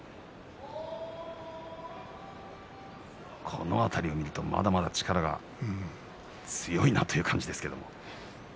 この辺りを見ると、まだまだ力が強いなという感じですけれど。